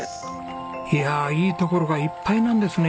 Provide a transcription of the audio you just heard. いやいいところがいっぱいなんですね